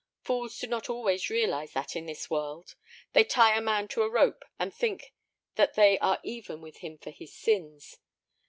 Fools do not always realize that in this world. They tie a man to a rope, and think that they are even with him for his sins.